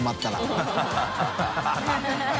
ハハハ